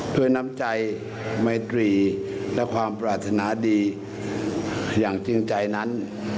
ด้วยน้ำใจไมตรีและความปรารถนาดีอย่างจริงใจนั้น